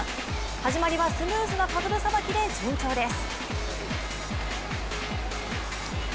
始まりはスムーズなパドルさばきで順調です。